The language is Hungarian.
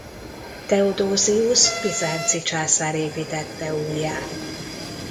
Theodosius bizánci császár építette újjá.